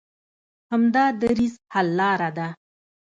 همدا دریځ حل لاره ده.